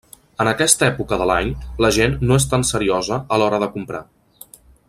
En aquesta època de l'any, la gent no és tan seriosa a l'hora de comprar.